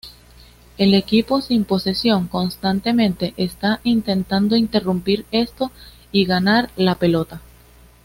El equipo sin posesión constantemente está intentando interrumpir esto y ganar la pelota.